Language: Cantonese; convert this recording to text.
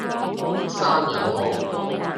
閂引號